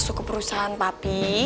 masuk ke perusahaan papi